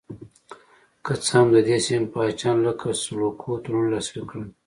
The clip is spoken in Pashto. که څه هم د دې سیمې پاچاهانو لکه سلوکو تړونونه لاسلیک کړل.